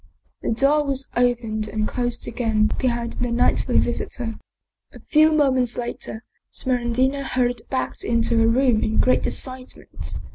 The door was opened and closed again be hind the nightly visitor. A few moments later, Smeraldina hurried back into her room in great excitement.